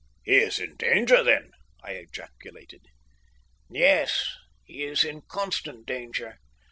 "He is in danger, then?" I ejaculated. "Yes; he is in constant danger."